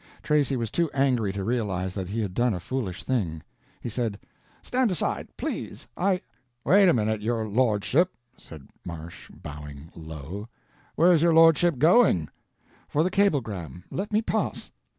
Tracy was too angry to realize that he had done a foolish thing. He said: "Stand aside, please. I—" "Wait a minute, your lordship," said Marsh, bowing low, "where is your lordship going?" "For the cablegram. Let me pass."